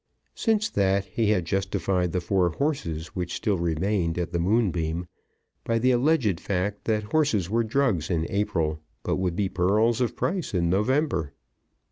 Since that he had justified the four horses which still remained at the Moonbeam by the alleged fact that horses were drugs in April, but would be pearls of price in November.